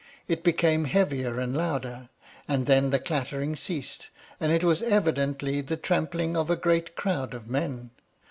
It became heavier and louder, and then the clattering ceased, and it was evidently the tramping of a great crowd of men.